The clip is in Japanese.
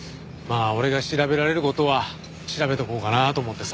あ俺が調べられる事は調べとこうかなと思ってさ。